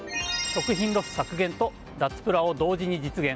食品ロス削減と脱プラを同時に実現。